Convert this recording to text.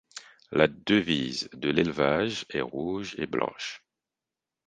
La devise de l'élevage est rouge et blanche.